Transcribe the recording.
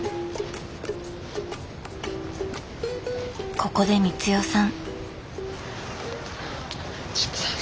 ここで光代さん。